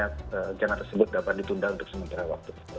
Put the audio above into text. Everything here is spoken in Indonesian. karena tersebut dapat ditunda untuk sementara waktu